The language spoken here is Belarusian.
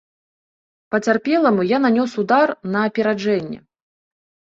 Пацярпеламу я нанёс удар на апераджэнне.